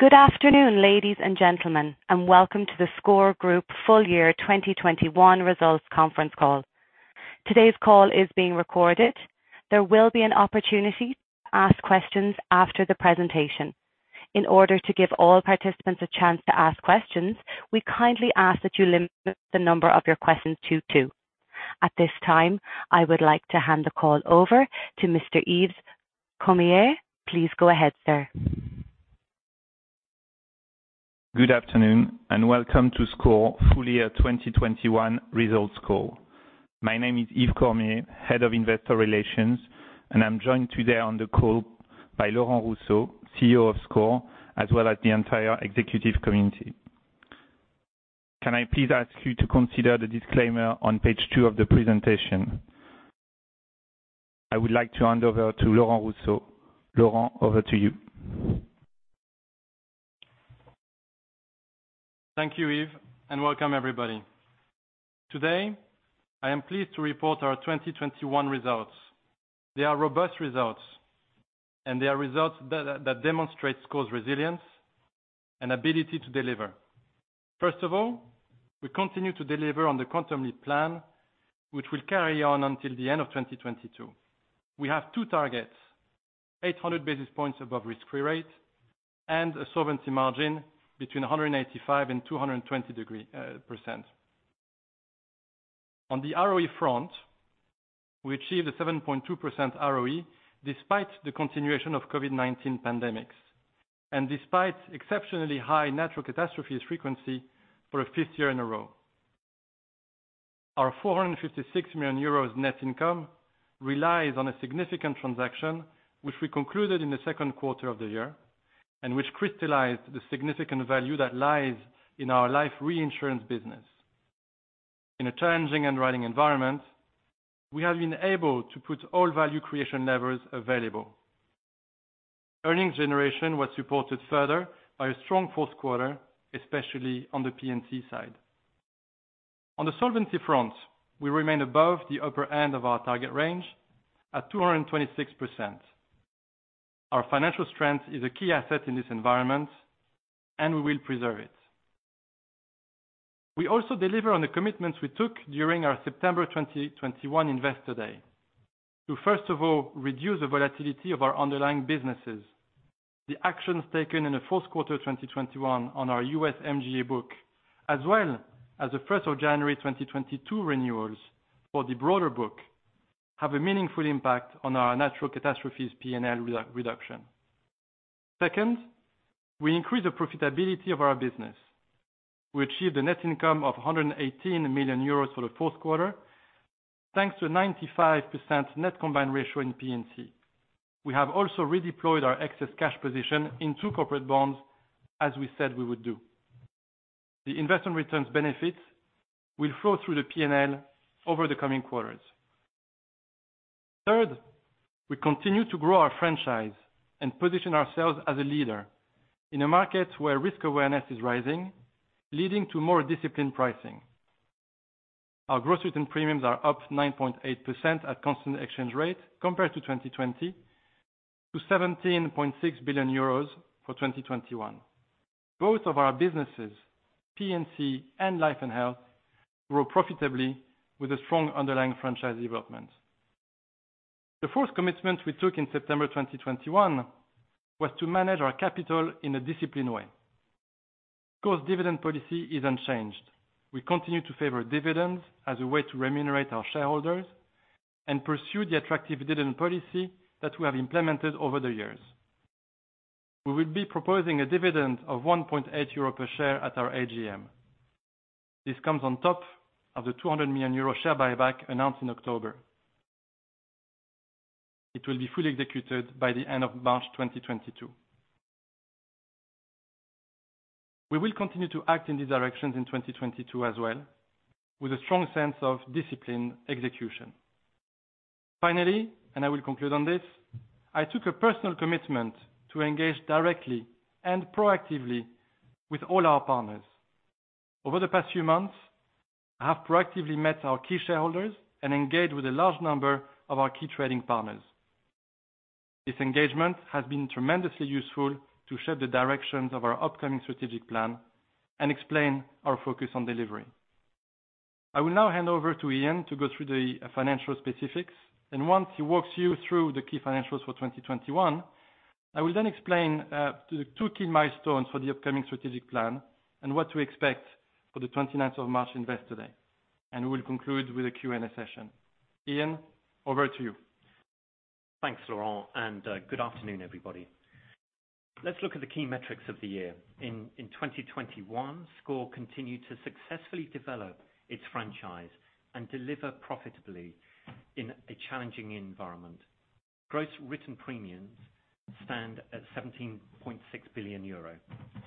Good afternoon, ladies and gentlemen, and welcome to the SCOR Group Full Year 2021 Results Conference Call. Today's call is being recorded. There will be an opportunity to ask questions after the presentation. In order to give all participants a chance to ask questions, we kindly ask that you limit the number of your questions to two. At this time, I would like to hand the call over to Mr. Yves Cormier. Please go ahead, sir. Good afternoon and welcome to SCOR Full Year 2021 Results Call. My name is Yves Cormier, Head of Investor Relations, and I'm joined today on the call by Laurent Rousseau, CEO of SCOR, as well as the entire Executive Committee. Can I please ask you to consider the disclaimer on page two of the presentation? I would like to hand over to Laurent Rousseau. Laurent, over to you. Thank you, Yves, and welcome everybody. Today, I am pleased to report our 2021 results. They are robust results, and they are results that demonstrates SCOR's resilience and ability to deliver. First of all, we continue to deliver on the Quantum Leap plan, which will carry on until the end of 2022. We have two targets, 800 basis points above risk-free rate and a solvency margin between 185% and 220%. On the ROE front, we achieved a 7.2% ROE despite the continuation of COVID-19 pandemic, and despite exceptionally high natural catastrophes frequency for a fifth year in a row. Our EUR 456 million net income relies on a significant transaction, which we concluded in the second quarter of the year, and which crystallized the significant value that lies in our life reinsurance business. In a challenging underwriting environment, we have been able to put all value creation levers available. Earnings generation was supported further by a strong fourth quarter, especially on the P&C side. On the solvency front, we remain above the upper end of our target range at 226%. Our financial strength is a key asset in this environment, and we will preserve it. We also deliver on the commitments we took during our September 2021 investor day. To first of all, reduce the volatility of our underlying businesses. The actions taken in the fourth quarter 2021 on our U.S. MGA book, as well as the 1st of January 2022 renewals for the broader book, have a meaningful impact on our natural catastrophes P&L reduction. Second, we increase the profitability of our business. We achieved a net income of 118 million euros for the fourth quarter, thanks to a 95% net combined ratio in P&C. We have also redeployed our excess cash position in two corporate bonds, as we said we would do. The investment returns benefits will flow through the P&L over the coming quarters. Third, we continue to grow our franchise and position ourselves as a leader in a market where risk awareness is rising, leading to more disciplined pricing. Our gross written premiums are up 9.8% at constant exchange rate compared to 2020, to 17.6 billion euros for 2021. Both of our businesses, P&C and Life and Health, grow profitably with a strong underlying franchise development. The fourth commitment we took in September 2021 was to manage our capital in a disciplined way. SCOR's dividend policy is unchanged. We continue to favor dividends as a way to remunerate our shareholders and pursue the attractive dividend policy that we have implemented over the years. We will be proposing a dividend of 1.8 euro per share at our AGM. This comes on top of the 200 million euro share buyback announced in October. It will be fully executed by the end of March 2022. We will continue to act in these directions in 2022 as well, with a strong sense of disciplined execution. Finally, and I will conclude on this, I took a personal commitment to engage directly and proactively with all our partners. Over the past few months, I have proactively met our key shareholders and engaged with a large number of our key trading partners. This engagement has been tremendously useful to shape the directions of our upcoming strategic plan and explain our focus on delivery. I will now hand over to Ian to go through the financial specifics, and once he walks you through the key financials for 2021, I will then explain the two key milestones for the upcoming strategic plan and what to expect for the 29th of March Investor Day. We will conclude with a Q&A session. Ian, over to you. Thanks, Laurent, and good afternoon, everybody. Let's look at the key metrics of the year. In 2021, SCOR continued to successfully develop its franchise and deliver profitably in a challenging environment. Gross written premiums stand at 17.6 billion euro.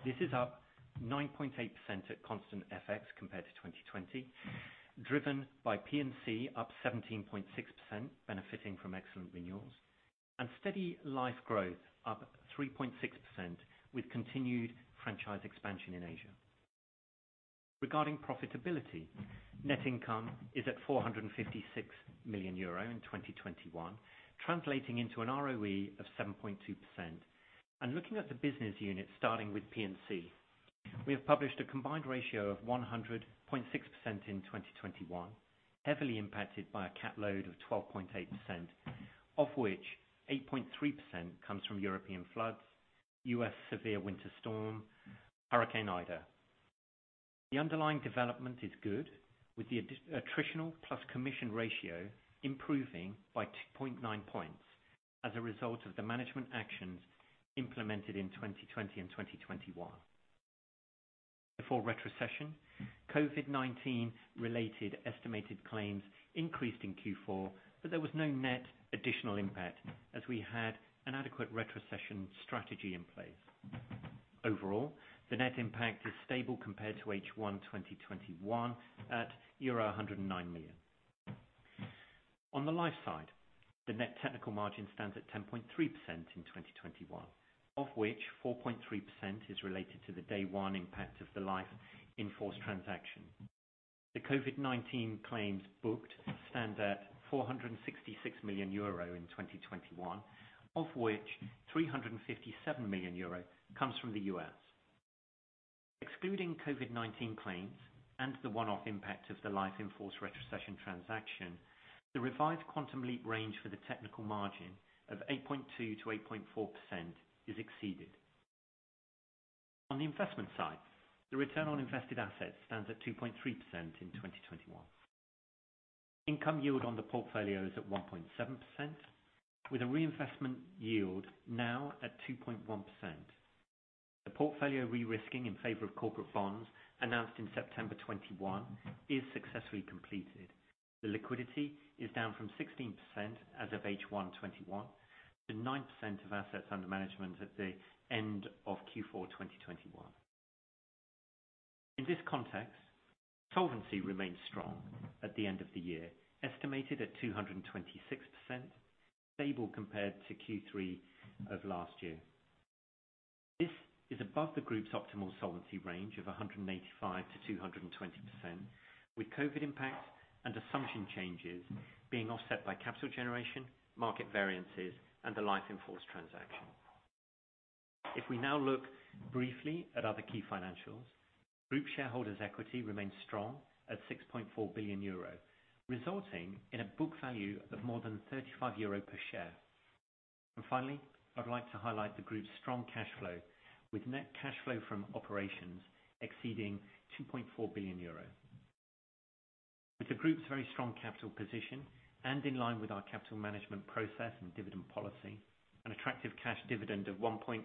This is up 9.8% at constant FX compared to 2020, driven by P&C up 17.6% benefiting from excellent renewals and steady life growth up 3.6% with continued franchise expansion in Asia. Regarding profitability, net income is at 456 million euro in 2021, translating into an ROE of 7.2%. Looking at the business unit, starting with P&C, we have published a combined ratio of 100.6% in 2021, heavily impacted by a cat load of 12.8%, of which 8.3% comes from European floods, U.S. severe winter storm, Hurricane Ida. The underlying development is good, with the attritional plus commission ratio improving by 2.9 points as a result of the management actions implemented in 2020 and 2021. Before retrocession, COVID-19 related estimated claims increased in Q4, but there was no net additional impact as we had an adequate retrocession strategy in place. Overall, the net impact is stable compared to H1 2021 at euro 109 million. On the life side, the net technical margin stands at 10.3% in 2021, of which 4.3% is related to the day one impact of the life in-force transaction. The COVID-19 claims booked stand at 466 million euro in 2021, of which 357 million euro comes from the U.S. Excluding COVID-19 claims and the one-off impact of the life in-force retrocession transaction, the revised Quantum Leap range for the technical margin of 8.2%-8.4% is exceeded. On the investment side, the return on invested assets stands at 2.3% in 2021. Income yield on the portfolio is at 1.7% with a reinvestment yield now at 2.1%. The portfolio re-risking in favor of corporate bonds announced in September 2021 is successfully completed. The liquidity is down from 16% as of H1 2021 to 9% of assets under management at the end of Q4 2021. In this context, solvency remains strong at the end of the year, estimated at 226%, stable compared to Q3 of last year. This is above the group's optimal solvency range of 185%-220% with COVID impacts and assumption changes being offset by capital generation, market variances, and the life in-force transaction. If we now look briefly at other key financials, group shareholders equity remains strong at 6.4 billion euro, resulting in a book value of more than 35 euro per share. Finally, I'd like to highlight the group's strong cash flow with net cash flow from operations exceeding 2.4 billion euros. With the group's very strong capital position, and in line with our capital management process and dividend policy, an attractive cash dividend of 1.8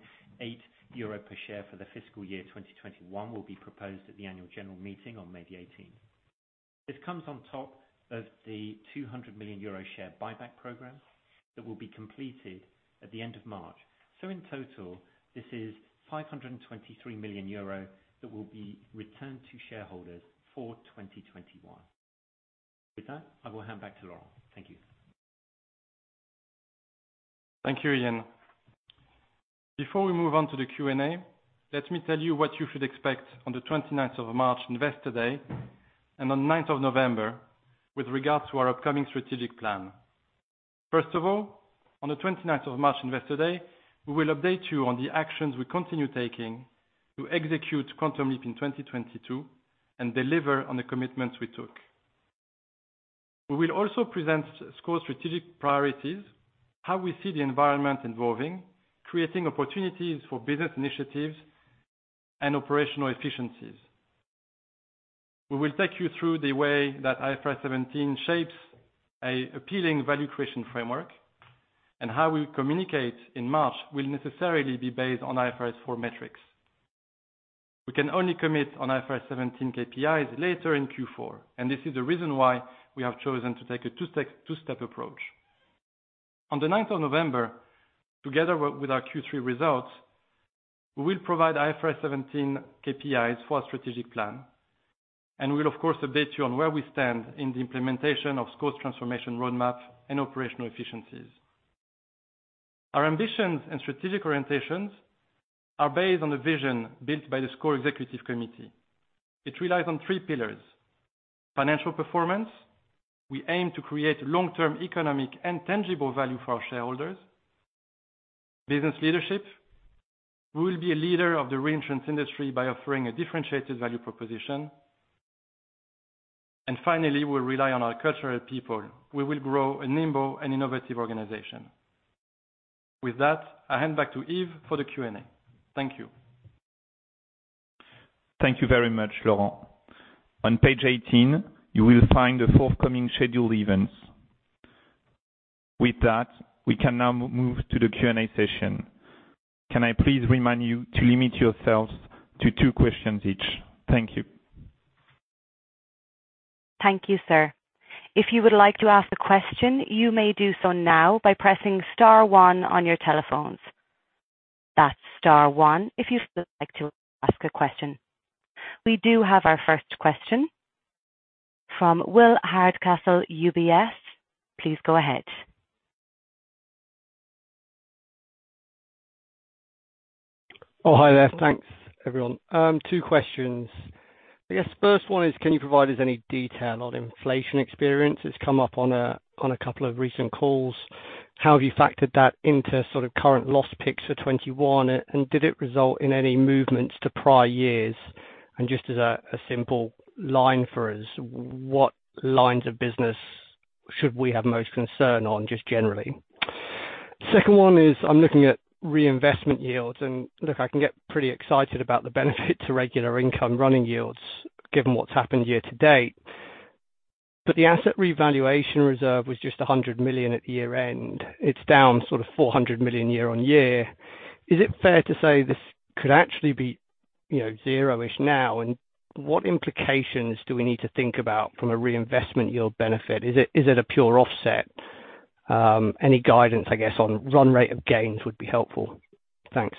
euro per share for the fiscal year 2021 will be proposed at the annual general meeting on May 18th. This comes on top of the 200 million euro share buyback program that will be completed at the end of March. In total, this is 523 million euro that will be returned to shareholders for 2021. With that, I will hand back to Laurent. Thank you. Thank you, Ian. Before we move on to the Q&A, let me tell you what you should expect on the 29th of March Investor Day and on 9th of November with regards to our upcoming strategic plan. First of all, on the 29th of March Investor Day, we will update you on the actions we continue taking to execute Quantum Leap in 2022 and deliver on the commitments we took. We will also present SCOR's strategic priorities, how we see the environment evolving, creating opportunities for business initiatives and operational efficiencies. We will take you through the way that IFRS 17 shapes an appealing value creation framework, and how we communicate in March will necessarily be based on IFRS 4 metrics. We can only commit on IFRS 17 KPIs later in Q4, and this is the reason why we have chosen to take a two-step approach. On the 9th of November, together with our Q3 results, we will provide IFRS 17 KPIs for our strategic plan, and we'll of course update you on where we stand in the implementation of SCOR's transformation roadmap and operational efficiencies. Our ambitions and strategic orientations are based on the vision built by the SCOR Executive Committee. It relies on three pillars. Financial performance, we aim to create long-term economic and tangible value for our shareholders. Business leadership, we will be a leader of the reinsurance industry by offering a differentiated value proposition. Finally, we'll rely on our culture and people. We will grow a nimble and innovative organization. With that, I hand back to Yves for the Q&A. Thank you. Thank you very much, Laurent. On page 18, you will find the forthcoming scheduled events. With that, we can now move to the Q&A session. Can I please remind you to limit yourselves to two questions each? Thank you. Thank you, sir. If you would like to ask a question, you may do so now by pressing star one on your telephones. That's star one if you would like to ask a question. We do have our first question from Will Hardcastle, UBS. Please go ahead. Oh, hi there. Thanks everyone. Two questions. I guess first one is, can you provide us any detail on inflation experience? It's come up on a couple of recent calls. How have you factored that into sort of current loss picks for 2021, and did it result in any movements to prior years? Just as a simple line for us, what lines of business should we have most concern on, just generally? Second one is, I'm looking at reinvestment yields, and look, I can get pretty excited about the benefit to regular income running yields given what's happened year-to-date. But the asset revaluation reserve was just 100 million at the year-end. It's down sort of 400 million year-on-year. Is it fair to say this could actually be, you know, zero-ish now? What implications do we need to think about from a reinvestment yield benefit? Is it a pure offset? Any guidance, I guess, on run rate of gains would be helpful. Thanks.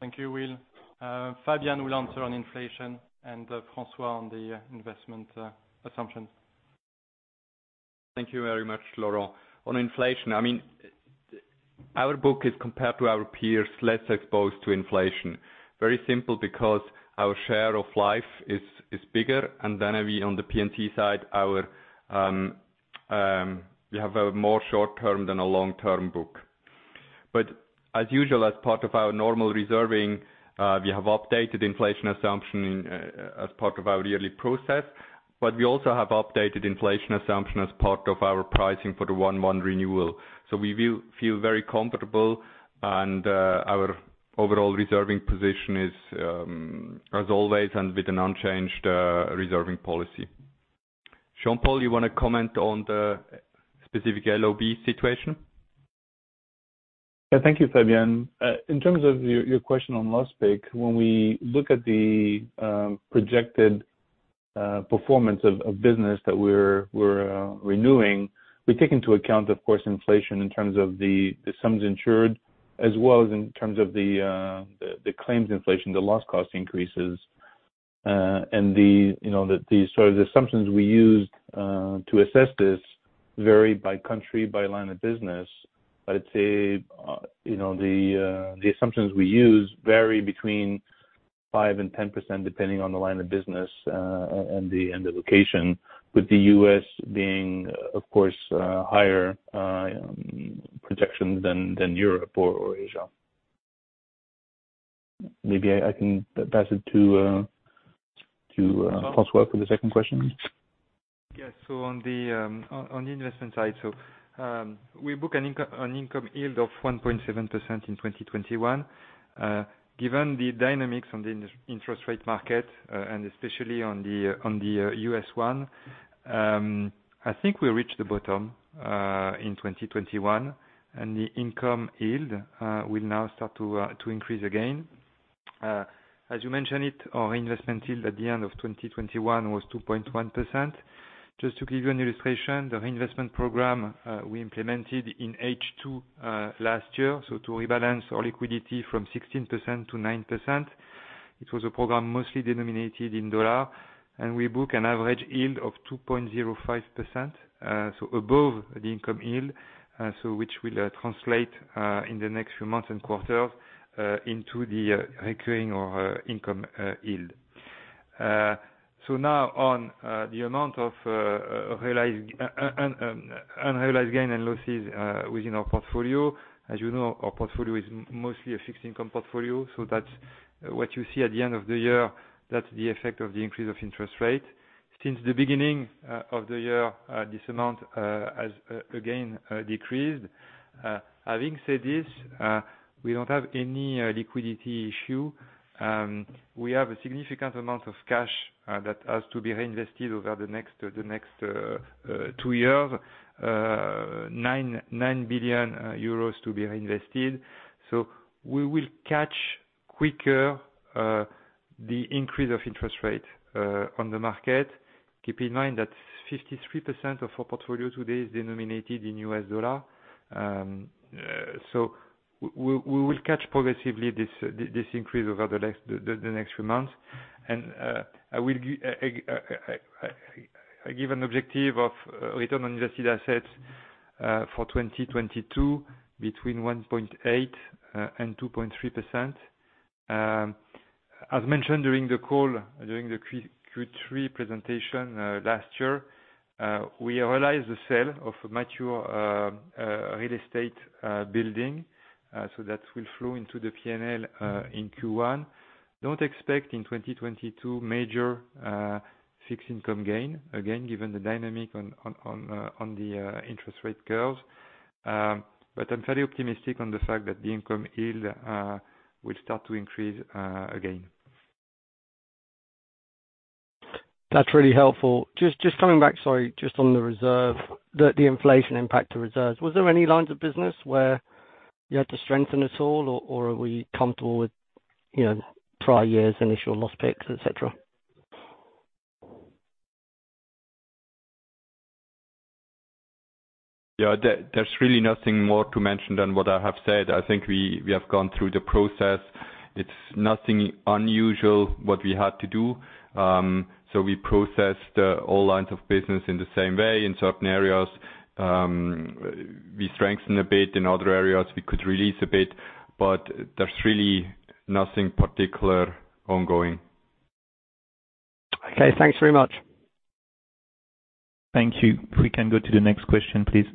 Thank you, Will. Fabian will answer on inflation, and François on the investment assumptions. Thank you very much, Laurent. On inflation, I mean, our book is, compared to our peers, less exposed to inflation. Very simple, because our share of life is bigger, and then we, on the P&C side, our, we have a more short-term than a long-term book. As usual, as part of our normal reserving, we have updated inflation assumption, as part of our yearly process. We also have updated inflation assumption as part of our pricing for the one renewal. We feel very comfortable and, our overall reserving position is, as always, and with an unchanged, reserving policy. Jean-Paul, you wanna comment on the specific LOB situation? Yeah. Thank you, Fabian. In terms of your question on loss pick-up, when we look at the projected performance of business that we're renewing, we take into account, of course, inflation in terms of the sums insured, as well as in terms of the claims inflation, the loss cost increases. You know, the sort of assumptions we use to assess this vary by country, by line of business. I'd say, you know, the assumptions we use vary between 5% and 10% depending on the line of business, and the location. With the U.S. being, of course, higher projections than Europe or Asia. Maybe I can pass it to François for the second question. Yes. On the investment side, we book an income yield of 1.7% in 2021. Given the dynamics on the interest rate market, and especially on the U.S. one, I think we reached the bottom in 2021, and the income yield will now start to increase again. As you mentioned it, our investment yield at the end of 2021 was 2.1%. Just to give you an illustration, the reinvestment program we implemented in H2 last year, to rebalance our liquidity from 16% to 9%. It was a program mostly denominated in dollars, and we book an average yield of 2.05%, above the income yield, which will translate in the next few months and quarters into the recurring or income yield. Now on the amount of realized and unrealized gains and losses within our portfolio, as you know, our portfolio is mostly a fixed income portfolio, so that's what you see at the end of the year, that's the effect of the increase of interest rates. Since the beginning of the year, this amount has again decreased. Having said this, we don't have any liquidity issue. We have a significant amount of cash that has to be reinvested over the next two years, EUR 9 billion to be reinvested. We will catch quicker the increase of interest rate on the market. Keep in mind that 53% of our portfolio today is denominated in U.S. dollar. We will catch progressively this increase over the next few months. I give an objective of return on invested assets for 2022, between 1.8% and 2.3%. As mentioned during the call, during the Q3 presentation last year, we realized the sale of mature real estate building, so that will flow into the P&L in Q1. Don't expect in 2022 major fixed income gain again, given the dynamic on the interest rate curves. I'm fairly optimistic on the fact that the income yield will start to increase again. That's really helpful. Just coming back, sorry, just on the reserve, the inflation impact to reserves. Was there any lines of business where you had to strengthen at all or are we comfortable with, you know, prior years' initial loss picks, et cetera? Yeah. There's really nothing more to mention than what I have said. I think we have gone through the process. It's nothing unusual what we had to do. We processed all lines of business in the same way. In certain areas, we strengthened a bit. In other areas, we could release a bit. There's really nothing particular ongoing. Okay. Thanks very much. Thank you. We can go to the next question, please.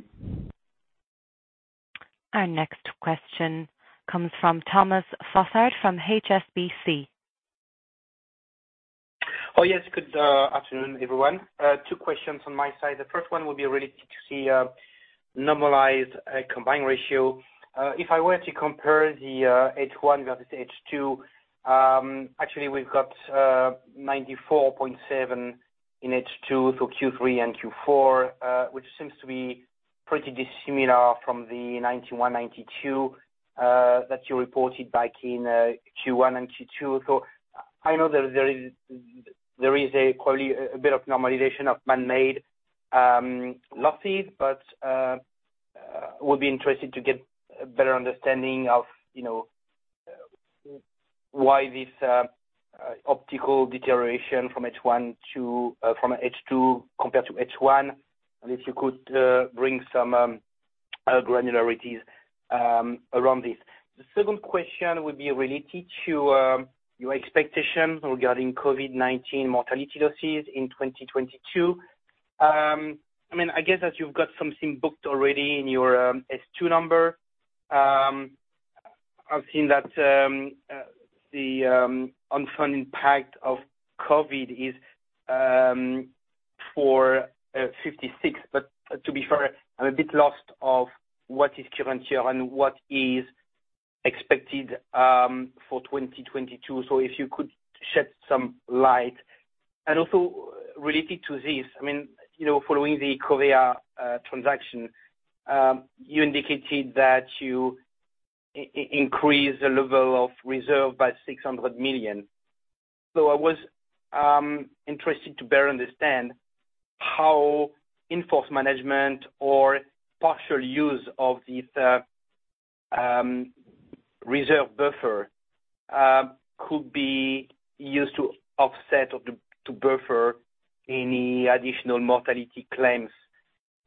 Our next question comes from Thomas Fossard from HSBC. Oh, yes. Good afternoon, everyone. Two questions on my side. The first one will be related to the normalized combined ratio. If I were to compare the H1 versus H2, actually we've got 94.7 in H2, so Q3 and Q4, which seems to be pretty dissimilar from the 91, 92 that you reported back in Q1 and Q2. I know that there is quite a bit of normalization of manmade losses. But would be interested to get a better understanding of, you know, why this optical deterioration from H1 to H2 compared to H1, and if you could bring some granularities around this. The second question would be related to your expectations regarding COVID-19 mortality losses in 2022. I mean, I guess as you've got something booked already in your SII number. I've seen that the unfunded impact of COVID is 456. To be fair, I'm a bit lost as to what is current year and what is expected for 2022. If you could shed some light. Also related to this, I mean, you know, following the Covéa transaction, you indicated that you increase the level of reserve by 600 million. I was interested to better understand how in-force management or partial use of this reserve buffer could be used to offset or to buffer any additional mortality claims,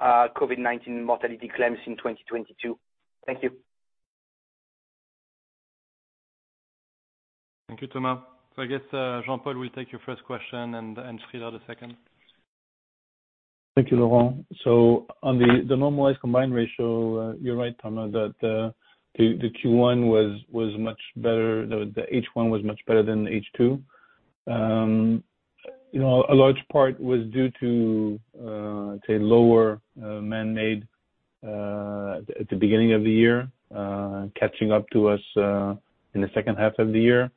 COVID-19 mortality claims in 2022. Thank you. Thank you, Thomas. I guess, Jean-Paul will take your first question and Frieder the second. Thank you, Laurent. On the normalized combined ratio, you're right, Thomas, that the Q1 was much better, the H1 was much better than the H2. You know, a large part was due to lower manmade at the beginning of the year catching up to us in the second half of the year.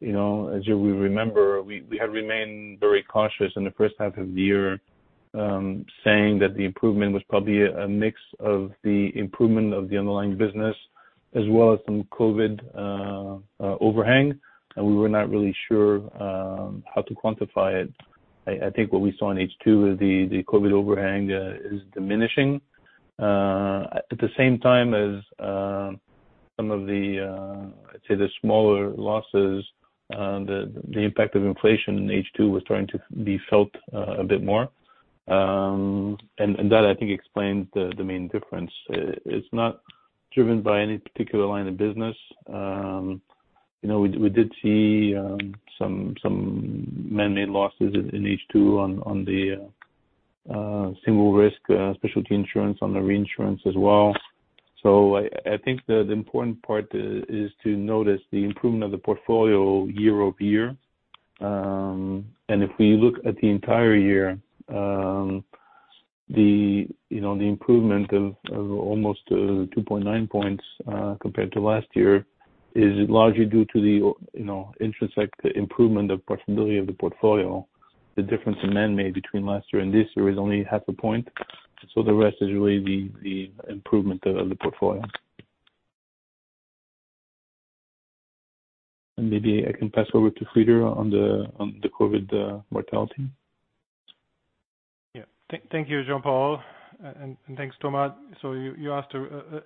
You know, as you remember, we had remained very cautious in the first half of the year, saying that the improvement was probably a mix of the improvement of the underlying business as well as some COVID overhang. We were not really sure how to quantify it. I think what we saw in H2 is the COVID overhang is diminishing. At the same time as some of the, I'd say, the smaller losses, the impact of inflation in H2 was starting to be felt a bit more. That, I think, explains the main difference. It's not driven by any particular line of business. You know, we did see some manmade losses in H2 on the single risk specialty insurance, on the reinsurance as well. I think the important part is to notice the improvement of the portfolio year-over-year. If we look at the entire year, you know, the improvement of almost 2.9 points compared to last year is largely due to the, you know, interest like the improvement of profitability of the portfolio. The difference in manmade between last year and this year is only half a point. The rest is really the improvement of the portfolio. Maybe I can pass over to Frieder on the COVID mortality. Thank you, Jean-Paul, and thanks, Thomas. You asked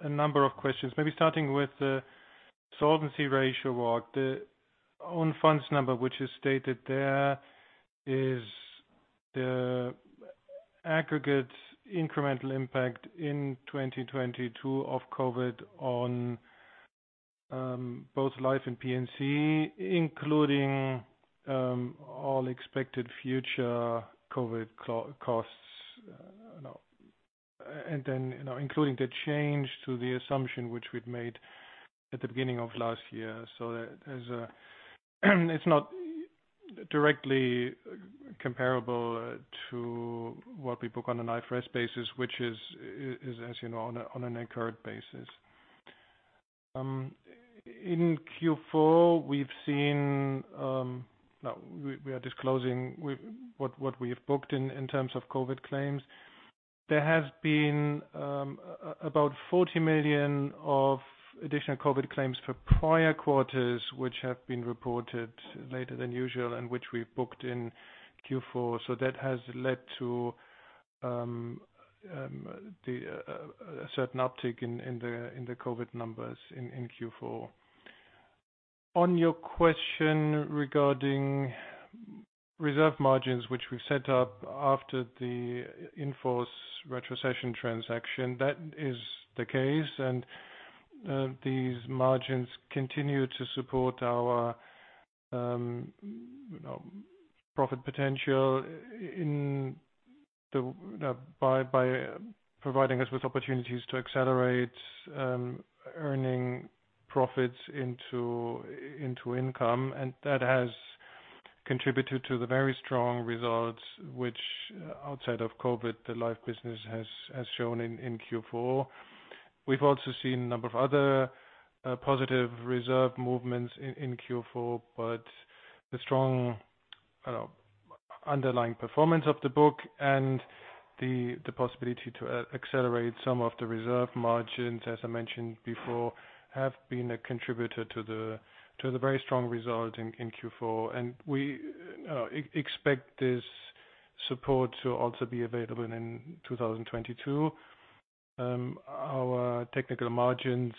a number of questions, maybe starting with the solvency ratio walk. The own funds number, which is stated there, is the aggregate incremental impact in 2022 of COVID on both Life and P&C, including all expected future COVID costs. You know, and then, you know, including the change to the assumption which we'd made at the beginning of last year. It's not directly comparable to what we book on an IFRS basis, which is, as you know, on an incurred basis. In Q4, we are disclosing what we have booked in terms of COVID claims. There has been about 40 million of additional COVID-19 claims for prior quarters, which have been reported later than usual and which we booked in Q4. That has led to a certain uptick in the COVID numbers in Q4. On your question regarding reserve margins, which we've set up after the in-force retrocession transaction, that is the case. These margins continue to support our, you know, profit potential by providing us with opportunities to accelerate earning profits into income. That has contributed to the very strong results, which outside of COVID-19, the life business has shown in Q4. We've also seen a number of other positive reserve movements in Q4. The strong underlying performance of the book and the possibility to accelerate some of the reserve margins, as I mentioned before, have been a contributor to the very strong result in Q4. We expect this support to also be available in 2022. Our technical margins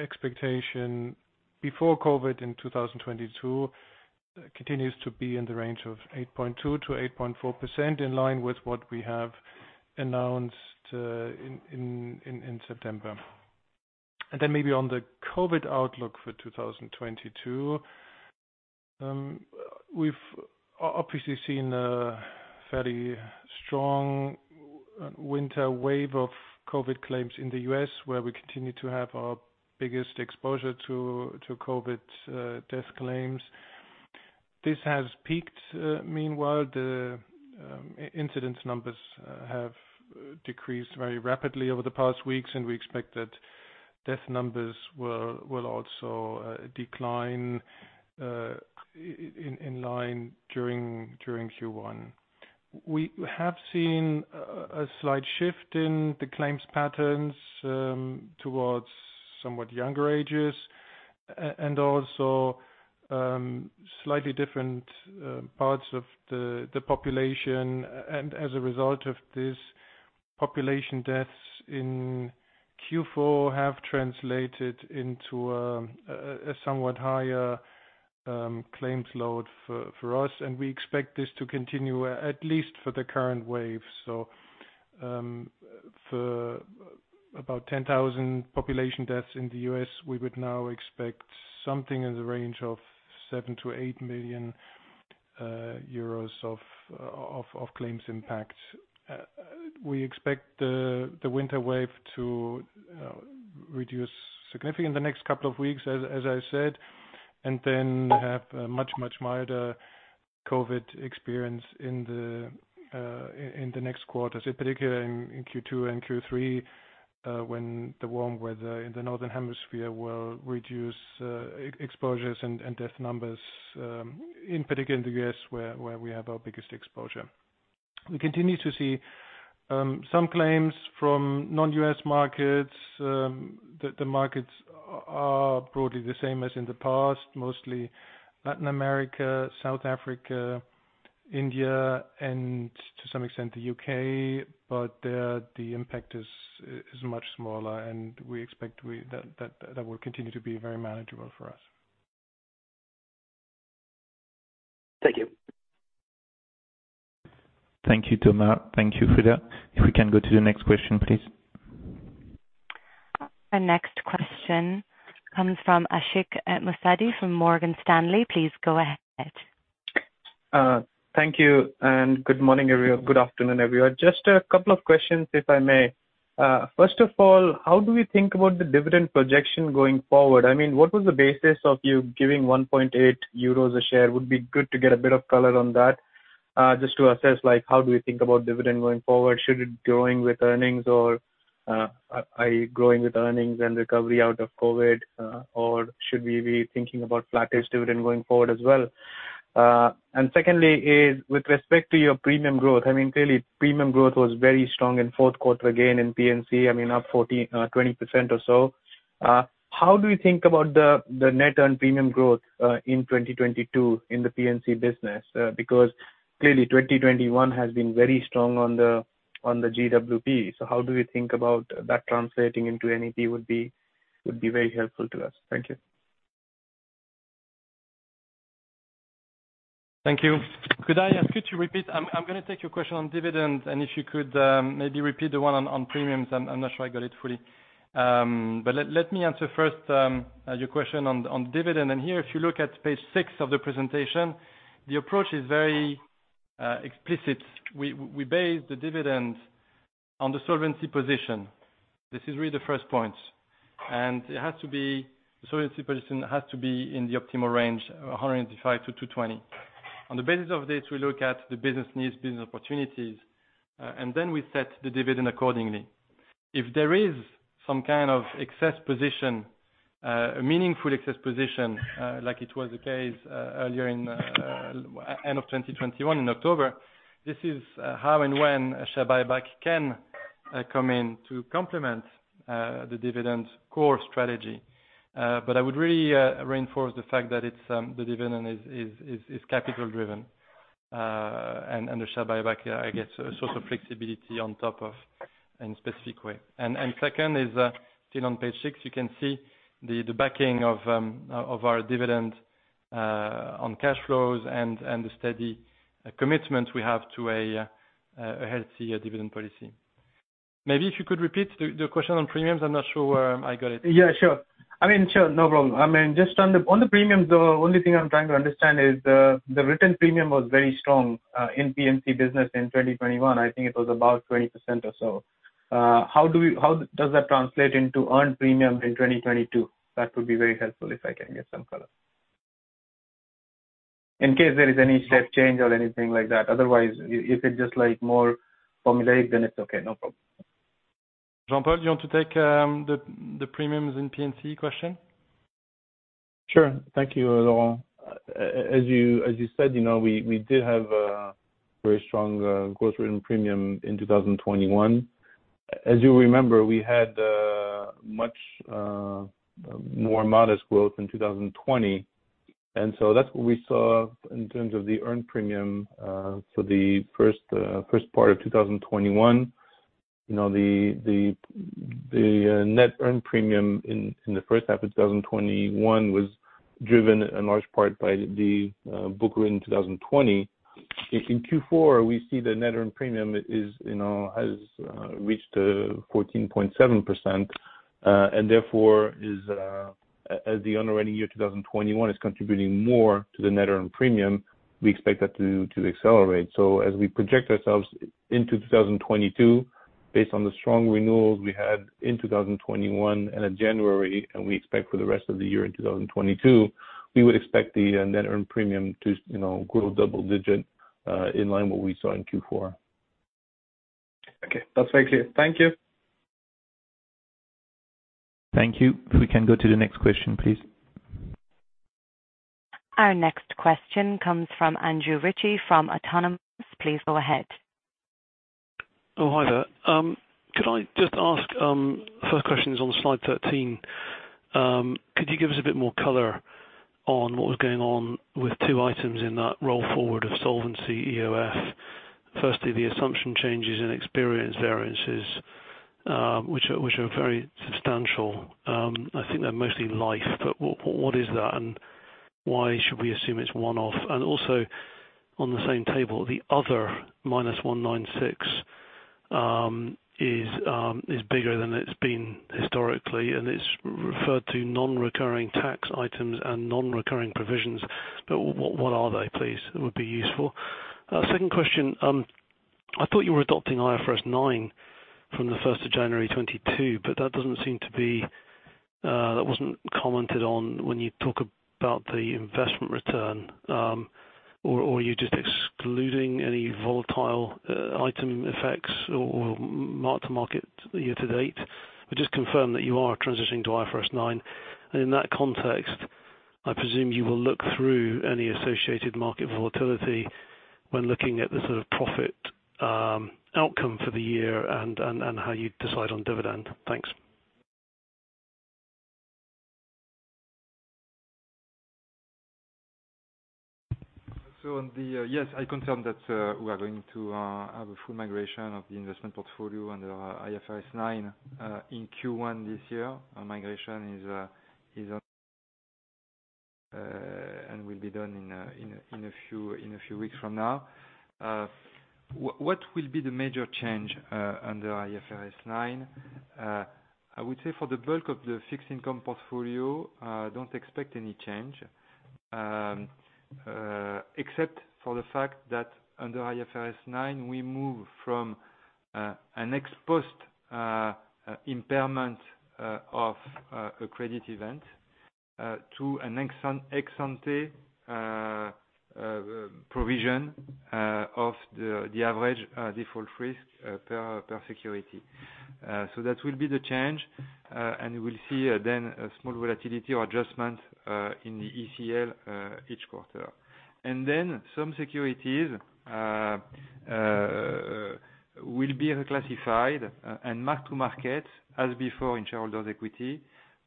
expectation before COVID in 2022 continues to be in the range of 8.2%-8.4%, in line with what we have announced in September. Maybe on the COVID outlook for 2022, we've obviously seen a fairly strong winter wave of COVID claims in the U.S., where we continue to have our biggest exposure to COVID death claims. This has peaked. Meanwhile, the incidence numbers have decreased very rapidly over the past weeks, and we expect that death numbers will also decline in line during Q1. We have seen a slight shift in the claims patterns towards somewhat younger ages and also slightly different parts of the population. As a result of this, population deaths in Q4 have translated into a somewhat higher claims load for us, and we expect this to continue, at least for the current wave. For about 10,000 population deaths in the U.S., we would now expect something in the range of 7 million-8 million euros of claims impact. We expect the winter wave to reduce significantly in the next couple of weeks, as I said, and then have a much milder COVID experience in the next quarters, in particular in Q2 and Q3, when the warm weather in the northern hemisphere will reduce exposures and death numbers, in particular in the U.S., where we have our biggest exposure. We continue to see some claims from non-U.S. markets. The markets are broadly the same as in the past, mostly Latin America, South Africa, India, and to some extent the U.K. There, the impact is much smaller, and we expect that will continue to be very manageable for us. Thank you. Thank you, Thomas. Thank you, Frieder. If we can go to the next question, please. Our next question comes from Ashik Musaddi from Morgan Stanley. Please go ahead. Thank you and good morning, everyone. Good afternoon, everyone. Just a couple of questions, if I may. First of all, how do we think about the dividend projection going forward? I mean, what was the basis of you giving 1.8 euros a share? Would be good to get a bit of color on that, just to assess, like, how do we think about dividend going forward? Should it growing with earnings or should we be thinking about flattish dividend going forward as well? And secondly is with respect to your premium growth. I mean, clearly premium growth was very strong in fourth quarter, again in P&C, I mean, up 14%-20% or so. How do you think about the net and premium growth in 2022 in the P&C business? Because clearly 2021 has been very strong on the GWP. How do we think about that translating into NAP would be very helpful to us. Thank you. Thank you. Could I ask you to repeat? I'm gonna take your question on dividends, and if you could maybe repeat the one on premiums. I'm not sure I got it fully. Let me answer first your question on dividend. Here, if you look at page six of the presentation, the approach is very explicit. We base the dividend on the solvency position. This is really the first point, and it has to be, the solvency position has to be in the optimal range, 185%-220%. On the basis of this, we look at the business needs, business opportunities, and then we set the dividend accordingly. If there is some kind of excess position, a meaningful excess position, like it was the case earlier in end of 2021 in October, this is how and when a share buyback can come in to complement the dividend core strategy. I would really reinforce the fact that it's the dividend is capital driven. The share buyback, I get sort of flexibility on top of in specific way. Second is still on page six, you can see the backing of our dividend on cash flows and the steady commitment we have to a healthy dividend policy. Maybe if you could repeat the question on premiums, I'm not sure where I got it. Yeah, sure. I mean, sure, no problem. I mean, just on the premiums, the only thing I'm trying to understand is the written premium was very strong in P&C business in 2021. I think it was about 20% or so. How does that translate into earned premium in 2022? That would be very helpful if I can get some color. In case there is any step change or anything like that. Otherwise, if it's just like more formulaic, then it's okay. No problem. Jean-Paul, do you want to take the premiums in P&C question? Sure. Thank you, Laurent. As you said, you know, we did have a very strong growth written premium in 2021. As you remember, we had much more modest growth in 2020. That's what we saw in terms of the earned premium for the first part of 2021. You know, the net earned premium in the first half of 2021 was driven in large part by the book written in 2020. In Q4, we see the net earned premium has reached 14.7%, and therefore, as the underwriting year 2021 is contributing more to the net earned premium, we expect that to accelerate. As we project ourselves into 2022, based on the strong renewals we had in 2021 and in January, and we expect for the rest of the year in 2022, we would expect the net earned premium to, you know, grow double-digit, in line with what we saw in Q4. Okay. That's very clear. Thank you. Thank you. We can go to the next question, please. Our next question comes from Andrew Ritchie from Autonomous. Please go ahead. Hi there. Could I just ask, first question is on slide 13. Could you give us a bit more color on what was going on with two items in that roll forward of solvency EOF? Firstly, the assumption changes in experience variances, which are very substantial. I think they're mostly life, but what is that and why should we assume it's one-off? Also on the same table, the other -196 is bigger than it's been historically, and it's referred to non-recurring tax items and non-recurring provisions. But what are they, please? It would be useful. Second question, I thought you were adopting IFRS 9 from the 1st of January 2022, but that wasn't commented on when you talk about the investment return, or you're just excluding any volatile item effects or mark-to-market year-to-date. Just confirm that you are transitioning to IFRS 9. In that context, I presume you will look through any associated market volatility when looking at the sort of profit outcome for the year and how you decide on dividend. Thanks. I confirm that we are going to have a full migration of the investment portfolio under IFRS 9 in Q1 this year. Our migration is on and will be done in a few weeks from now. What will be the major change under IFRS 9? I would say for the bulk of the fixed income portfolio, don't expect any change, except for the fact that under IFRS 9, we move from an ex-post impairment of a credit event to an ex-ante provision of the average default risk per security. That will be the change, and we'll see then a small volatility or adjustment in the ECL each quarter. Then some securities will be reclassified and mark-to-market as before in shareholders' equity.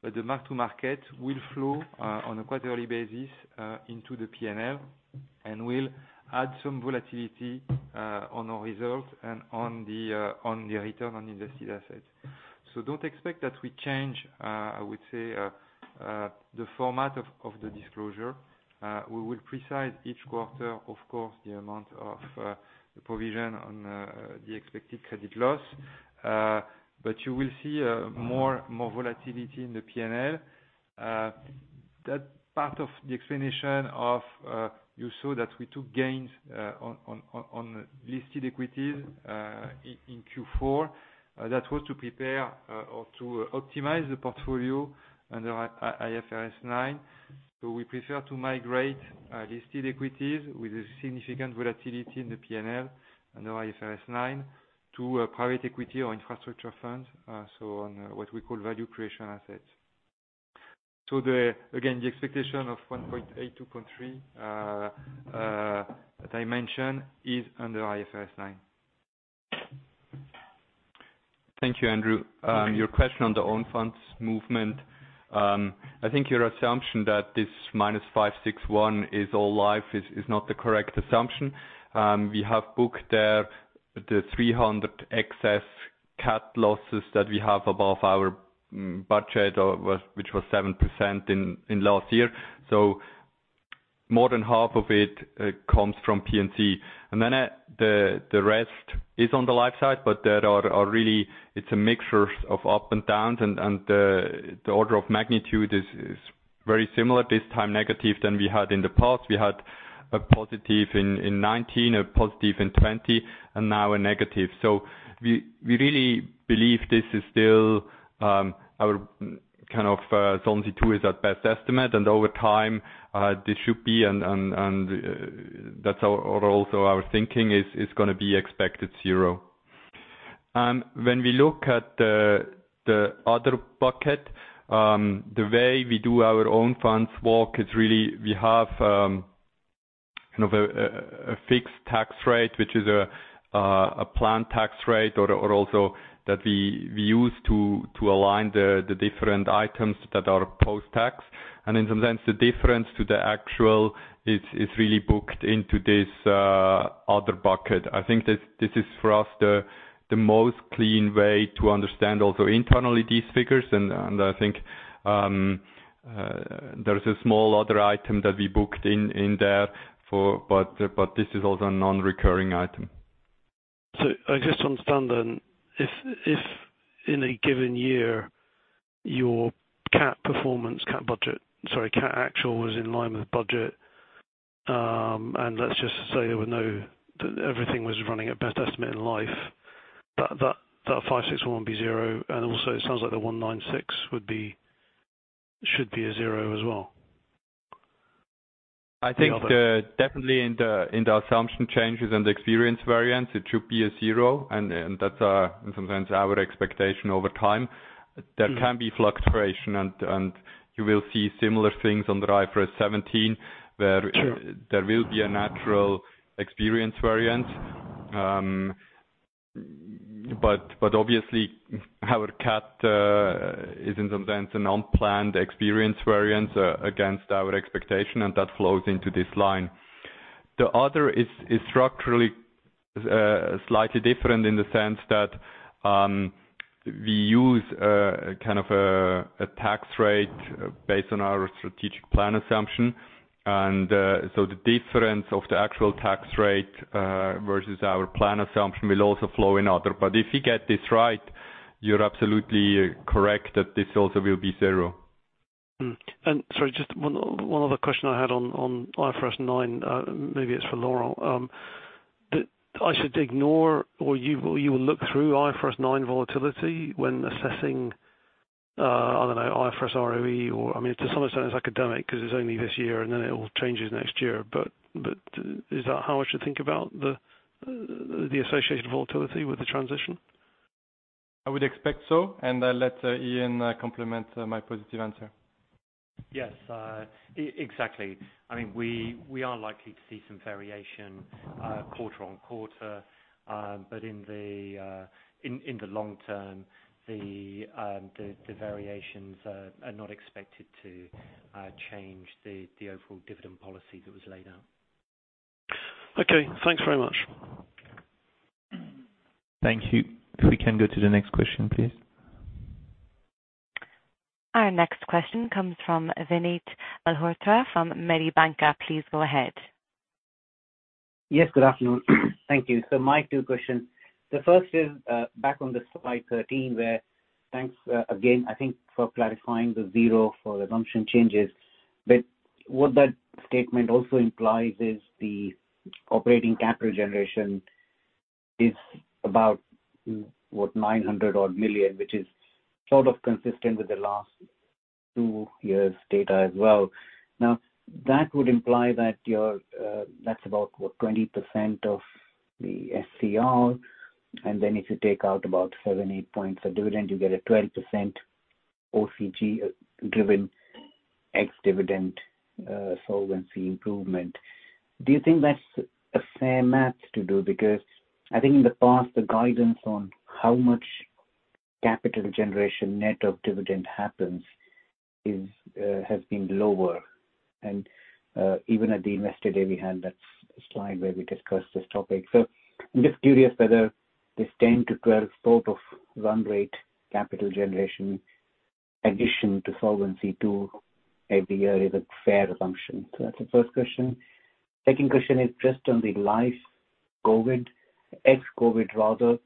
The mark-to-market will flow on a quarterly basis into the P&L, and will add some volatility on our results and on the return on invested assets. Don't expect that we change, I would say, the format of the disclosure. We will provide each quarter, of course, the amount of the provision on the expected credit loss. You will see more volatility in the P&L. That part of the explanation of, you saw that we took gains on listed equities in Q4. That was to prepare or to optimize the portfolio under IFRS 9. We prefer to migrate listed equities with a significant volatility in the P&L under IFRS 9 to a private equity or infrastructure fund, so on what we call value creation assets. Again, the expectation of 1.8, 2.3 that I mentioned is under IFRS 9. Thank you, Andrew. Your question on the own funds movement. I think your assumption that this -561 is all life is not the correct assumption. We have booked there the 300 excess CAT losses that we have above our budget, which was 7% in last year. More than half of it comes from P&C. The rest is on the life side. There are really it's a mixture of up and downs and the order of magnitude is very similar this time negative than we had in the past. We had a positive in 2019, a positive in 2020 and now a negative. We really believe this is still our kind of Solvency II is our best estimate. Over time, this should be and that's our or also our thinking is gonna be expected zero. When we look at the other bucket, the way we do our own funds work is really we have you know a fixed tax rate, which is a planned tax rate or also that we use to align the different items that are post-tax. In some sense the difference to the actual is really booked into this other bucket. I think this is for us the most clean way to understand also internally these figures. I think there's a small other item that we booked in there for, but this is also a non-recurring item. I just understand then if in a given year your CAT performance, CAT budget, sorry CAT actual was in line with budget, and let's just say that everything was running at best estimate in Life, that 561 would be zero. Also it sounds like the 196 would be, should be a zero as well. I think definitely in the assumption changes and experience variance, it should be a zero. That's in some sense our expectation over time. There can be fluctuation and you will see similar things under IFRS 17, where- Sure. There will be a natural experience variance. But obviously our CAT is in some sense an unplanned experience variance against our expectation, and that flows into this line. The other is structurally slightly different in the sense that we use kind of a tax rate based on our strategic plan assumption. So the difference of the actual tax rate versus our plan assumption will also flow into other. If you get this right, you're absolutely correct that this also will be zero. Sorry, just one other question I had on IFRS 9. Maybe it's for Laurent. I should ignore or you will look through IFRS 9 volatility when assessing, I don't know, IFRS ROE or I mean, to some extent it's academic because it's only this year and then it all changes next year. Is that how I should think about the associated volatility with the transition? I would expect so. I'll let Ian complement my positive answer. Yes, exactly. I mean, we are likely to see some variation quarter-on-quarter. In the long term, the variations are not expected to change the overall dividend policy that was laid out. Okay. Thanks very much. Thank you. If we can go to the next question, please. Our next question comes from Vinit Malhotra from Mediobanca. Please go ahead. Yes. Good afternoon. Thank you. My two questions. The first is back on the slide 13, where thanks again, I think for clarifying the zero for assumption changes. What that statement also implies is the operating capital generation is about what, 900 odd million, which is sort of consistent with the last two years' data as well. Now, that would imply that that's about what, 20% of the SCR. Then if you take out about seven, eight points for dividend, you get a 12% OCG-driven ex-dividend, solvency improvement. Do you think that's a fair math to do? Because I think in the past the guidance on how much capital generation net of dividend happens is, has been lower. Even at the Investor Day, we had that slide where we discussed this topic. I'm just curious whether this 10-12 sort of run rate capital generation addition to Solvency II every year is a fair assumption. That's the first question. Second question is just on the Life COVID, ex-COVID rather.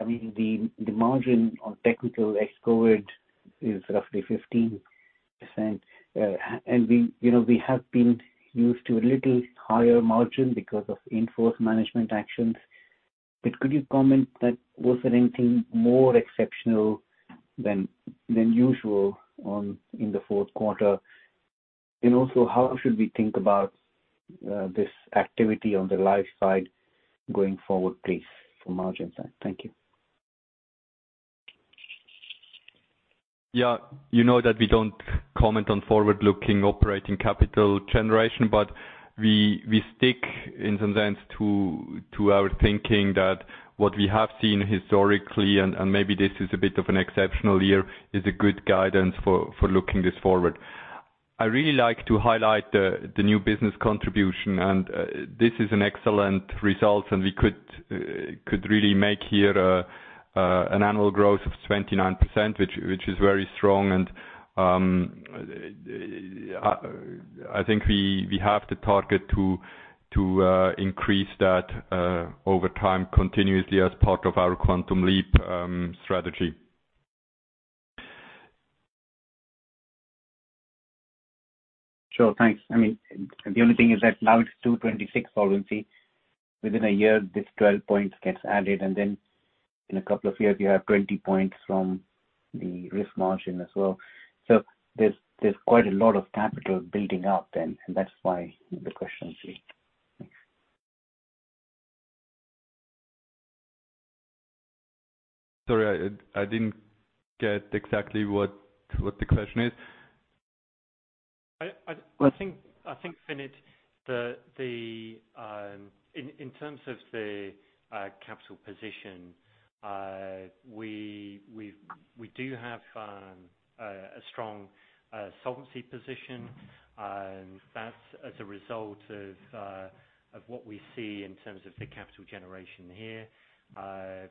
I mean, the margin on technical ex-COVID is roughly 15%. And we, you know, we have been used to a little higher margin because of in-force management actions. Could you comment? Was there anything more exceptional than usual in the fourth quarter? And also how should we think about this activity on the Life side going forward, please, from margin side? Thank you. Yeah. You know that we don't comment on forward-looking operating capital generation, but we stick in some sense to our thinking that what we have seen historically, and maybe this is a bit of an exceptional year, is a good guidance for looking this forward. I really like to highlight the new business contribution, and this is an excellent result, and we could really make here an annual growth of 29%, which is very strong. I think we have to target to increase that over time continuously as part of our Quantum Leap strategy. Sure. Thanks. I mean, the only thing is that now it's 226 solvency. Within a year, this 12 points gets added, and then in a couple of years, you have 20 points from the risk margin as well. There's quite a lot of capital building up then, and that's why the question is raised. Thanks. Sorry, I didn't get exactly what the question is. I think, Vinit, in terms of the capital position, we do have a strong solvency position, and that's as a result of what we see in terms of the capital generation here.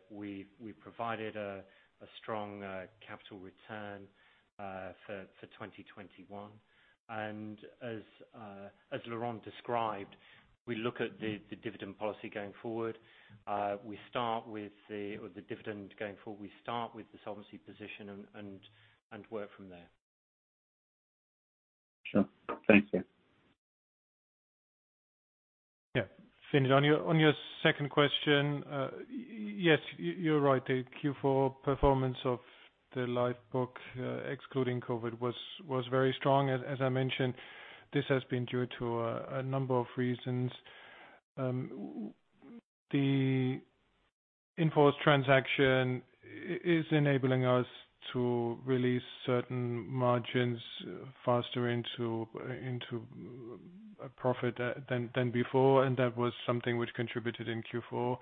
We provided a strong capital return for 2021. As Laurent described, we look at the dividend policy going forward. With the dividend going forward, we start with the solvency position and work from there. Sure. Thank you. Yeah. Vinit, on your second question, yes, you're right. The Q4 performance of the Life book, excluding COVID was very strong. As I mentioned, this has been due to a number of reasons. The in-force transaction is enabling us to release certain margins faster into a profit than before, and that was something which contributed in Q4.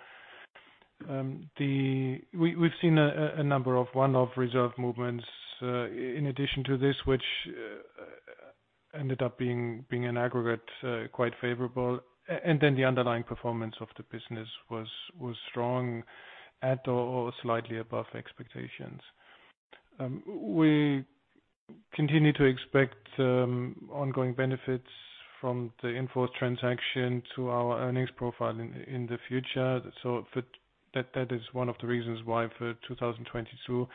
We've seen a number of one-off reserve movements in addition to this, which ended up being an aggregate quite favorable. And then the underlying performance of the business was strong at or slightly above expectations. We continue to expect ongoing benefits from the in-force transaction to our earnings profile in the future. That is one of the reasons why for 2022,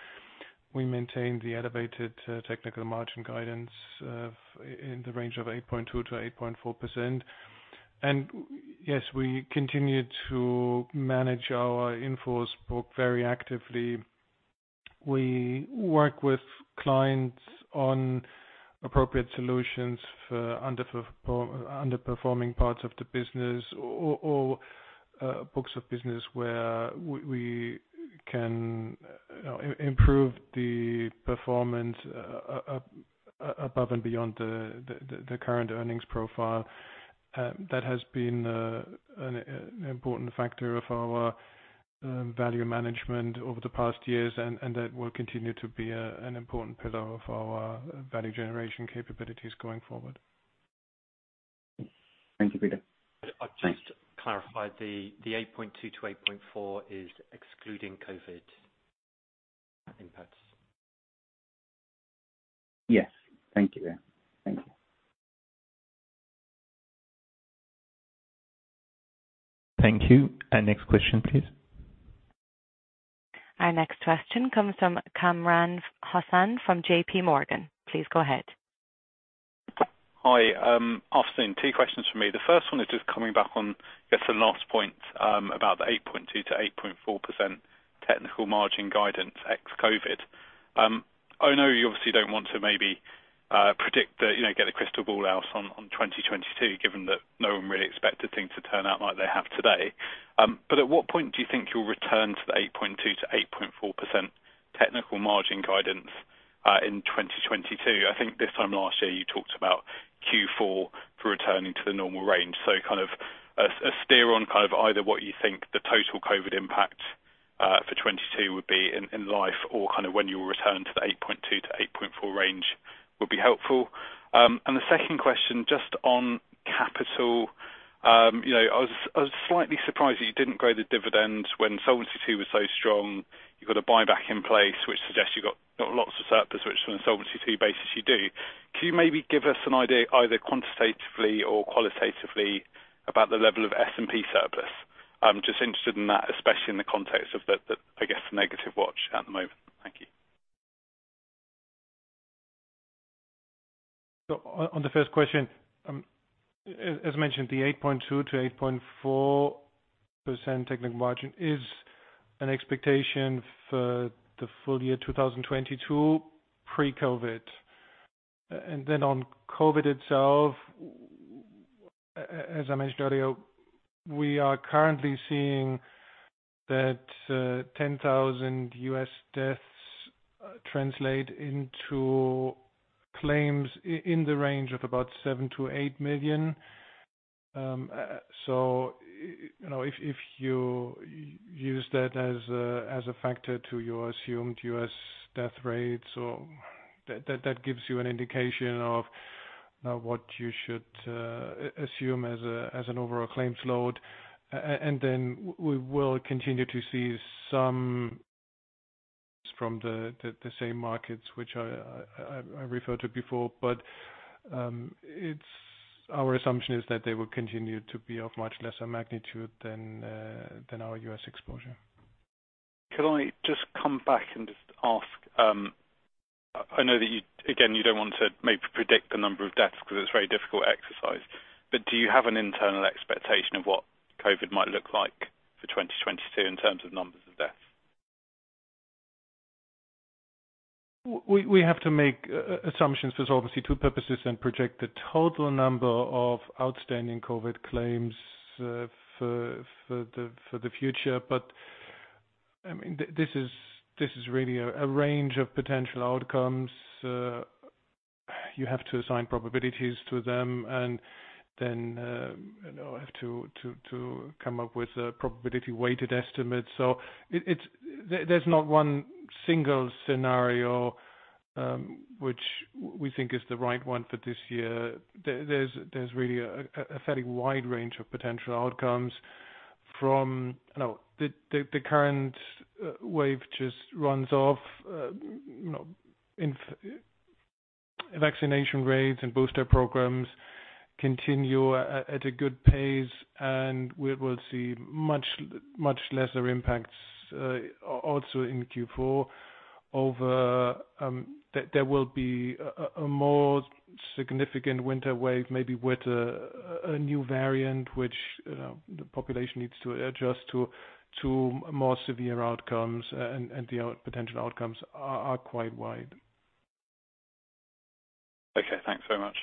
we maintained the elevated technical margin guidance in the range of 8.2%-8.4%. Yes, we continue to manage our in-force book very actively. We work with clients on appropriate solutions for underperforming parts of the business or books of business where we can improve the performance above and beyond the current earnings profile. That has been an important factor of our value management over the past years, and that will continue to be an important pillar of our value generation capabilities going forward. Thank you, Peter. Thanks. I'd just clarify, the 8.2%-8.4% is excluding COVID impacts. Yes. Thank you. Thank you. Thank you. Next question, please. Our next question comes from Kamran Hossain from JPMorgan. Please go ahead. Hi. Afternoon. Two questions from me. The first one is just coming back on just the last point, about the 8.2%-8.4% technical margin guidance ex-COVID. I know you obviously don't want to maybe predict the, you know, get a crystal ball out on 2022, given that no one really expected things to turn out like they have today. But at what point do you think you'll return to the 8.2%-8.4% technical margin guidance, in 2022? I think this time last year you talked about Q4 for returning to the normal range. Kind of a steer on kind of either what you think the total COVID impact for 2022 would be in Life or kind of when you'll return to the 8.2%-8.4% range would be helpful. The second question, just on capital. You know, I was slightly surprised that you didn't grow the dividend when Solvency II was so strong. You've got a buyback in place, which suggests you've got lots of surplus, which on a Solvency II basis you do. Can you maybe give us an idea, either quantitatively or qualitatively, about the level of S&P surplus? I'm just interested in that, especially in the context of the, I guess, the negative watch at the moment. Thank you. On the first question, as mentioned, the 8.2%-8.4% technical margin is an expectation for the full year 2022 pre-COVID. Then on COVID itself, as I mentioned earlier, we are currently seeing that 10,000 U.S. deaths translate into claims in the range of about 7 million-8 million. You know, if you use that as a factor to your assumed U.S. death rate, that gives you an indication of what you should assume as an overall claims load. And then we will continue to see some from the same markets which I referred to before. Our assumption is that they will continue to be of much lesser magnitude than our U.S. exposure. Can I just come back and just ask, I know that you, again, you don't want to maybe predict the number of deaths because it's a very difficult exercise. Do you have an internal expectation of what COVID might look like for 2022 in terms of numbers of deaths? We have to make assumptions for obviously two purposes and project the total number of outstanding COVID claims for the future. I mean, this is really a range of potential outcomes. You have to assign probabilities to them and then you know have to come up with a probability weighted estimate. It's not one single scenario which we think is the right one for this year. There's really a fairly wide range of potential outcomes from, you know, the current wave just runs off, you know, in vaccination rates and booster programs continue at a good pace, and we will see much lesser impacts also in Q4, or there will be a more significant winter wave, maybe with a new variant which, you know, the population needs to adjust to more severe outcomes. The potential outcomes are quite wide. Okay, thanks very much.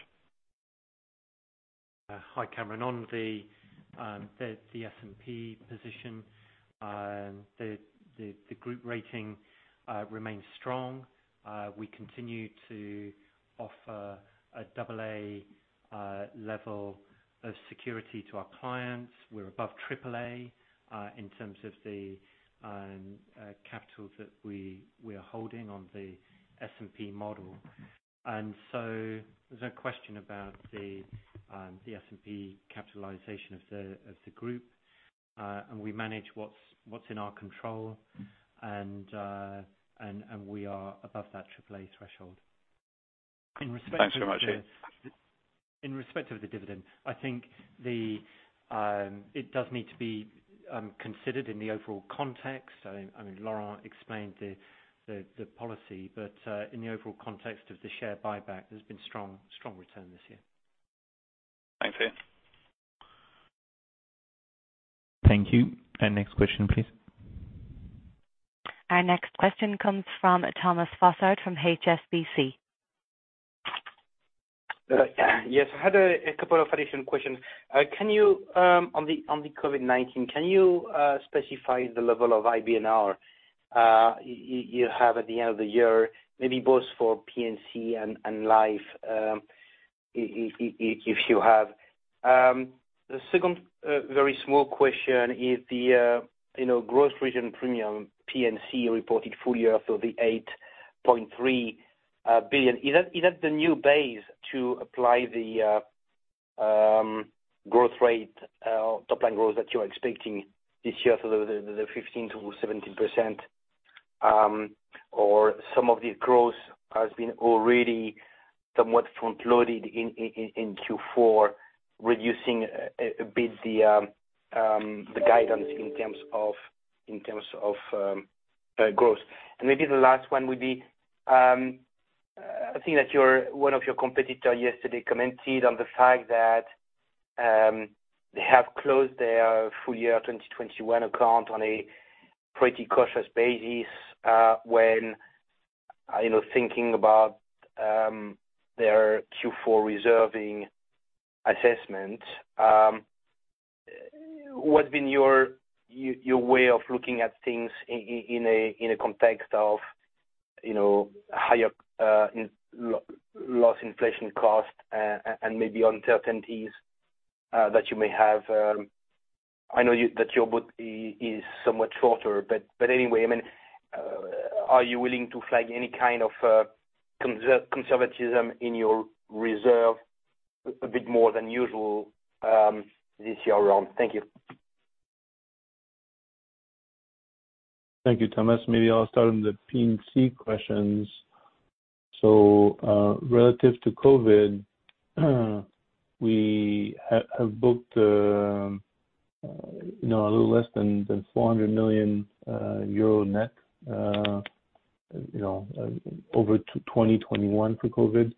Hi, Kamran. On the S&P position, the group rating remains strong. We continue to offer a double A level of security to our clients. We're above triple A in terms of the capital that we are holding on the S&P model. There's no question about the S&P capitalization of the group. We manage what's in our control and we are above that triple threshold. Thanks very much. In respect of the dividend, I think it does need to be considered in the overall context. I mean, Laurent explained the policy. In the overall context of the share buyback, there's been strong return this year. Thanks, Ian. Thank you. Next question, please. Our next question comes from Thomas Fossard from HSBC. Yes. I had a couple of additional questions. Can you, on the COVID-19, specify the level of IBNR you have at the end of the year, maybe both for P&C and Life, if you have? The second, very small question is, you know, gross written premium, P&C reported full year for the 8.3 billion. Is that the new base to apply the growth rate, top line growth that you are expecting this year for the 15%-17%, or some of the growth has been already somewhat front loaded in Q4, reducing a bit the guidance in terms of growth? Maybe the last one would be, I think that one of your competitors yesterday commented on the fact that they have closed their full year 2021 account on a pretty cautious basis, when you know, thinking about their Q4 reserving assessment. What's been your way of looking at things in a context of you know, higher loss inflation cost and maybe uncertainties that you may have? I know that your book is somewhat shorter, but anyway, I mean, are you willing to flag any kind of conservatism in your reserves a bit more than usual this year around? Thank you. Thank you, Thomas. Maybe I'll start on the P&C questions. Relative to COVID, we have booked, you know, a little less than 400 million euro net, you know, up to 2021 for COVID.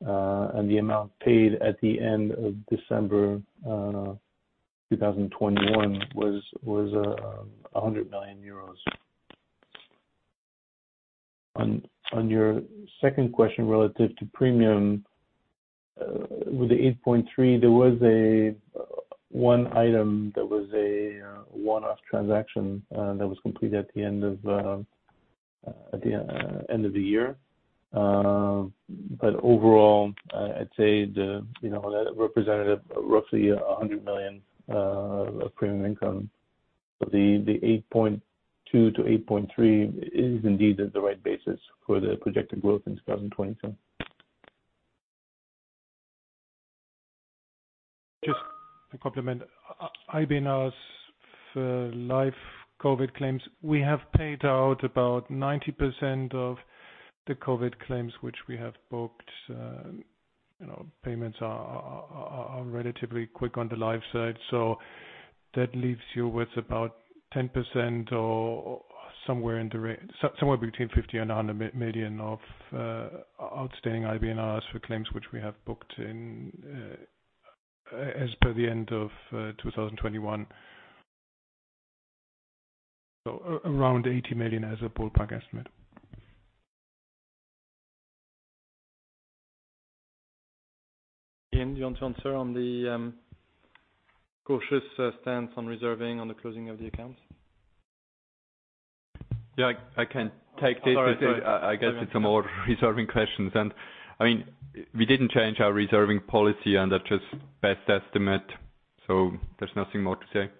The amount paid at the end of December 2021 was 100 million euros. On your second question relative to premium, with the 8.3 billion, there was one item that was a one-off transaction that was completed at the end of the year. But overall I'd say, you know, that represented roughly 100 million premium income. The 8.2%-8.3% is indeed the right basis for the projected growth in 2022. Just to complement IBNRs for life COVID claims. We have paid out about 90% of the COVID claims which we have booked. You know, payments are relatively quick on the life side. That leaves you with about 10% or somewhere between 50 million and 100 million of outstanding IBNRs for claims which we have booked in as per the end of 2021. Around 80 million as a ballpark estimate. Ian, you want to answer on the cautious stance on reserving on the closing of the accounts? Yeah, I can't take this. All right. I guess it's a more reserving questions. I mean, we didn't change our reserving policy and that's just best estimate, so there's nothing more to say.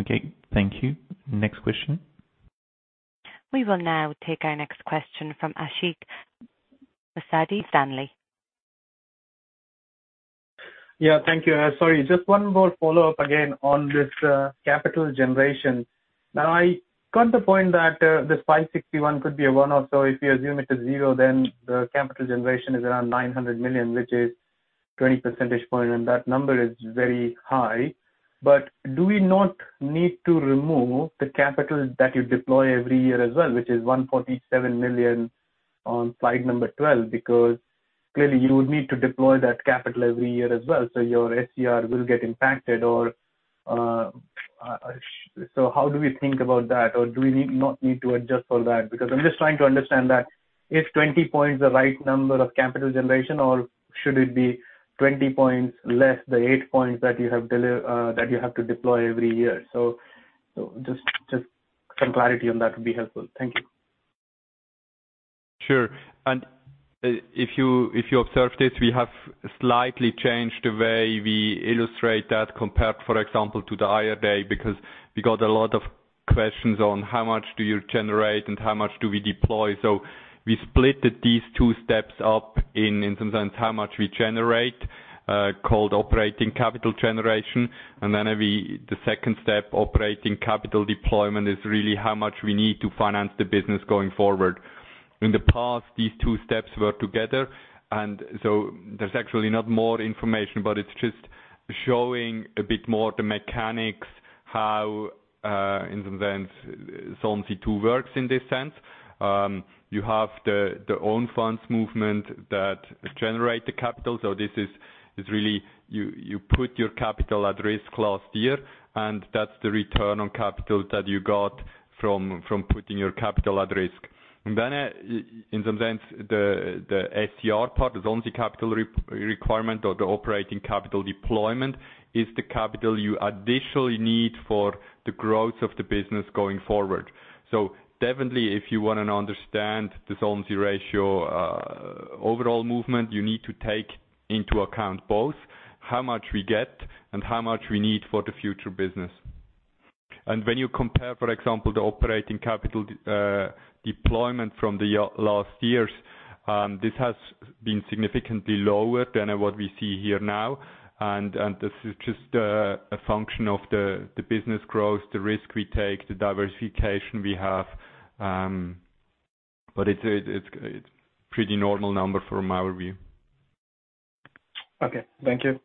Okay, thank you. Next question. We will now take our next question from Ashik Musaddi, Stanley. Yeah, thank you. Sorry, just one more follow-up again on this, capital generation. Now, I got the point that, the slide 61 could be a one-off. If you assume it is zero, then the capital generation is around 900 million, which is 20 percentage points, and that number is very high. Do we not need to remove the capital that you deploy every year as well, which is 147 million on slide 12? Because clearly you would need to deploy that capital every year as well, so your SCR will get impacted or, so how do we think about that? Or do we not need to adjust for that? Because I'm just trying to understand that if 20 point is the right number of capital generation or should it be 20 points less the eight points that you have to deploy every year. So just some clarity on that would be helpful. Thank you. Sure. If you observed it, we have slightly changed the way we illustrate that compared, for example, to the IR Day, because we got a lot of questions on how much do you generate and how much do we deploy. We split these two steps up in terms of how much we generate, called operating capital generation. The second step, operating capital deployment, is really how much we need to finance the business going forward. In the past, these two steps were together, and there's actually not more information, but it's just showing a bit more the mechanics, how in the sense Solvency II works in this sense. You have the own funds movement that generate the capital. This is really you put your capital at risk last year, and that's the return on capital that you got from putting your capital at risk. In some sense, the SCR part, the Solvency capital requirement or the operating capital deployment is the capital you additionally need for the growth of the business going forward. Definitely if you want to understand the Solvency ratio, overall movement, you need to take into account both how much we get and how much we need for the future business. When you compare, for example, the operating capital deployment from last years, this has been significantly lower than what we see here now. This is just a function of the business growth, the risk we take, the diversification we have, but it's a pretty normal number from our view. Okay. Thank you.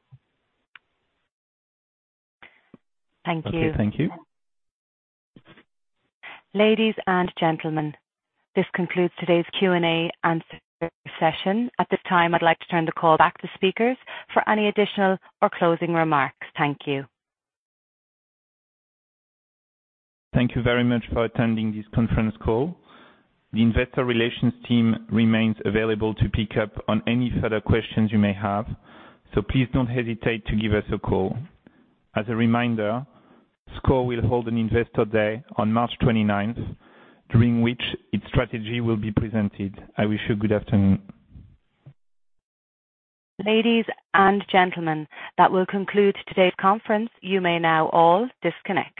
Thank you. Okay. Thank you. Ladies and gentlemen, this concludes today's Q&A and session. At this time, I'd like to turn the call back to speakers for any additional or closing remarks. Thank you. Thank you very much for attending this conference call. The investor relations team remains available to pick up on any further questions you may have, so please don't hesitate to give us a call. As a reminder, SCOR will hold an Investor Day on March 29th, during which its strategy will be presented. I wish you a good afternoon. Ladies and gentlemen, that will conclude today's conference. You may now all disconnect.